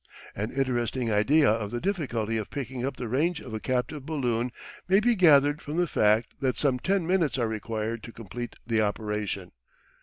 An interesting idea of the difficulty of picking up the range of a captive balloon may be gathered from the fact that some ten minutes are required to complete the operation.